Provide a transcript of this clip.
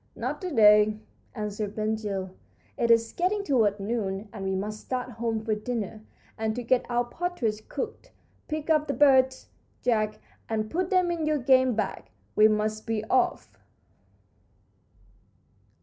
"Not to day," answered Ben Gile; "it is getting toward noon, and we must start home for dinner and to get our partridge cooked. Pick up the birds, Jack, and put them in your game bag. We must be off."